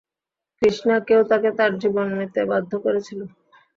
কৃষ্ণা, কেউ তাকে তার জীবন নিতে বাধ্য করেছিল।